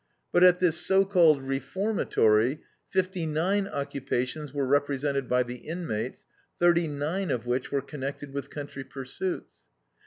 But at this so called reformatory 59 occupations were represented by the inmates, 39 of which were connected with country pursuits.